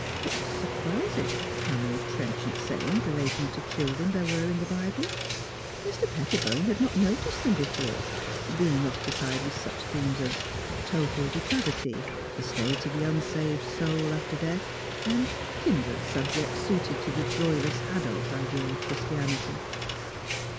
It was surprising how many trenchant sayings relating to children there were in the Bible. Mr. Pettibone had not noticed them before, being occupied with such themes as total depravity, the state of the unsaved soul after death, and kindred subjects suited to the joyless adult idea of Christianity.